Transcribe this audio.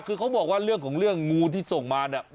คือเขาบอกว่าเรื่องของเรื่องงูที่ส่งมาเนี่ย